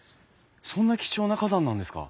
そんな貴重な花壇なんですか？